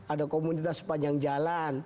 ada komunitas sepanjang jalan